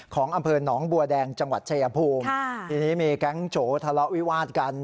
ของอำเภอหนองบัวแดงจังหวัดชายภูมิทีนี้มีแก๊งโจทะเลาะวิวาดกัน